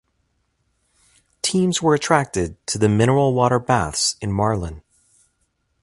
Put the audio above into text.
Teams were attracted to the mineral water baths in Marlin.